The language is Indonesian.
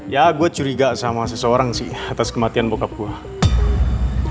ya gue curiga sama seseorang sih atas kematian bokap gue